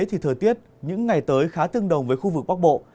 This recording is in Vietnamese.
thì thời tiết những ngày tới khá tương đồng với khu vực bắc bộ